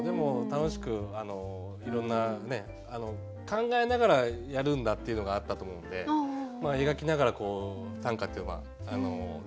楽しくいろんなね考えながらやるんだっていうのがあったと思うんで描きながら短歌っていうのは大事なのかなっていう感じありましたし。